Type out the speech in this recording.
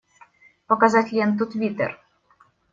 Показать ленту Твиттер!